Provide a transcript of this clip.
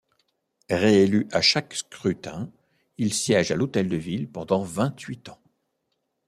Réélu à chaque scrutin, il siège à l'hôtel de ville pendant vingt-huit ans.